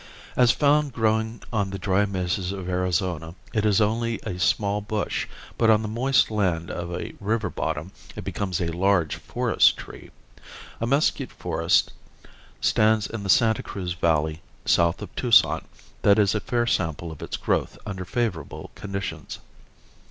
As found growing on the dry mesas of Arizona, it is only a small bush, but on the moist land of a river bottom it becomes a large forest tree. A mesquite forest stands in the Santa Cruz valley south of Tucson that is a fair sample of its growth under favorable conditions.